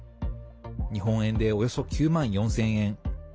日本円で、およそ９万４０００円。